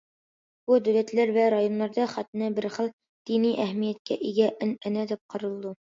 بۇ دۆلەتلەر ۋە رايونلاردا، خەتنە بىر خىل دىنىي ئەھمىيەتكە ئىگە ئەنئەنە دەپ قارىلىدۇ.